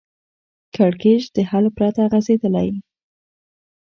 کړکېچ د حل پرته غځېدلی